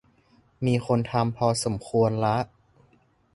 มีคนทำพอสมควรละ